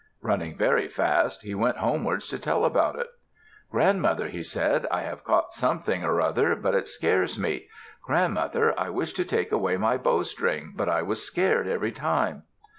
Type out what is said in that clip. Running very fast, he went homewards to tell about it. "Grandmother," he said, "I have caught something or other but it scares me. Grandmother, I wished to take away my bowstring, but I was scared every time."